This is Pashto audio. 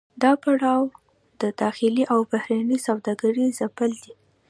دا پړاو د داخلي او بهرنۍ سوداګرۍ ځپل دي